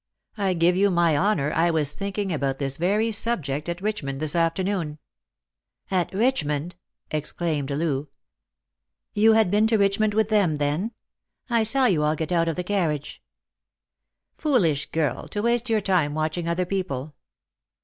I give you my honour I was thinking about this very subject at Richmond this afternoon." " At Eichmond !" exclaimed Loo. " You had been to Richmond with them, then ? I saw you all get out of the carriage." " Foolish girl, to waste your time watching other people."